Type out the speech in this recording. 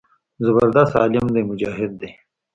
زبردست عالم دى مجاهد دى.